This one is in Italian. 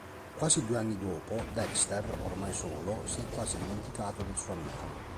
Quasi due anni dopo, Daxter, ormai solo, si è quasi dimenticato del suo amico.